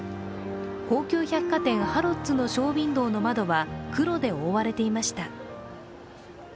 高級百貨店ハロッズのショーウインドーの窓は黒で覆われていました。